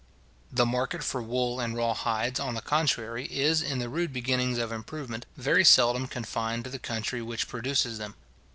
The market for wool and raw hides, on the contrary, is, in the rude beginnings of improvement, very seldom confined to the country which produces them.